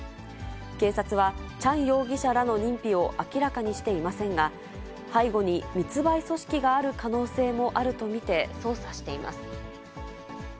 警察はチャン容疑者らの認否を明らかにしていませんが、背後に密売組織がある可能性もあると見て、捜査しています。